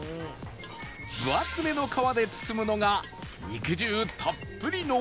分厚めの皮で包むのが肉汁たっぷりの極意